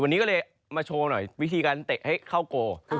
วันนี้ก็เลยมาโชว์หน่อยวิธีการเตะให้เข้าโก